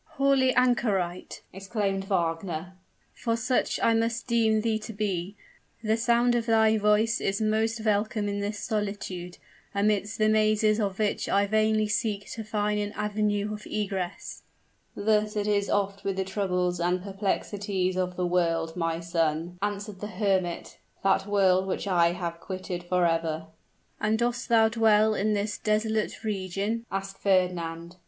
"Holy anchorite!" exclaimed Wagner "for such must I deem thee to be, the sound of thy voice is most welcome in this solitude, amidst the mazes of which I vainly seek to find an avenue of egress." "Thus it is oft with the troubles and perplexities of the world, my son," answered the hermit, "that world which I have quitted forever." "And dost thou dwell in this desolate region?" asked Fernand.